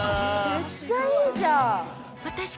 めっちゃいいじゃん。